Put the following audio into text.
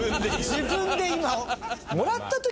自分で今。